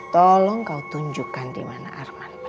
tolong kau tunjukkan dimana arman berada